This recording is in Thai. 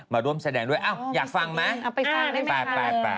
มาร่วมแสดงด้วยอ้าวอยากฟังไหมอ้าวไปฟังได้มั้ยคะอะไปไปไป